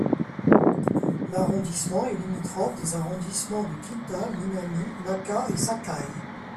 L'arrondissement est limitrophe des arrondissements de Kita, Minami, Naka et Sakai.